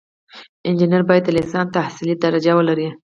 انجینر باید د لیسانس تحصیلي درجه ولري.